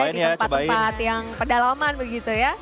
di tempat tempat yang pedalaman begitu ya